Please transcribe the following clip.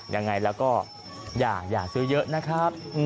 ยังไงแล้วก็อย่าซื้อเยอะนะครับ